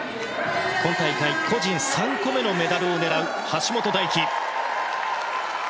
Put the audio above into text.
今大会個人３個目のメダルを狙う橋本大輝。